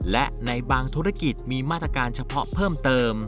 และในบางธุรกิจมีมาตรการเฉพาะเพิ่มเติม